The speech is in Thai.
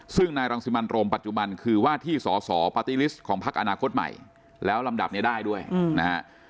ซึ่งนายรังสิมันโรมปัจจุบันคือว่าที่สอสอปาร์ตี้ลิสต์ของพักอนาคตใหม่แล้วลำดับนี้ได้ด้วยนะฮะ